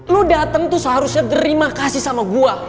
lo dateng tuh seharusnya terima kasih sama gue